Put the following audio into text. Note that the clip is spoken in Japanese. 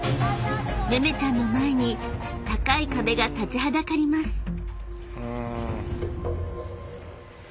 ［めめちゃんの前に高い壁が立ちはだかります］